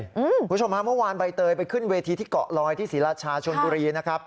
คุณผู้ชมฮะเมื่อวานใบเตยไปขึ้นเวทีที่เกาะลอยที่ศรีราชาชนบุรีนะครับ